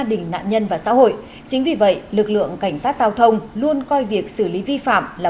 đình nạn nhân và xã hội chính vì vậy lực lượng cảnh sát giao thông luôn coi việc xử lý vi phạm là